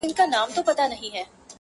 ګیدړ ږغ کړه ویل زرکي دورغجني -